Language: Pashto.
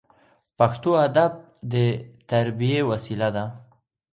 پښتو ادب د تربیې وسیله ده.